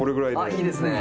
あっいいですね。